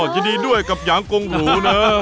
ยินดีกับยังโกงหรู